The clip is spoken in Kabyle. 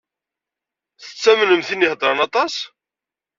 Tettamnem tin i iheddṛen aṭas?